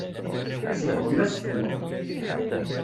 Tsebɣem-as-tent.